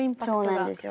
そうなんですよ。